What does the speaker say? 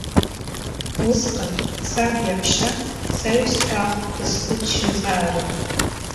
Усҟан, саб иҳәашьа, саҩсҭаахә дысхыччозаарын.